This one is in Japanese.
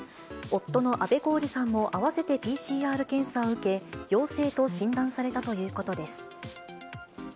夫のあべこうじさんも、あわせてＰＣＲ検査を受け、陽性と診断されたということです。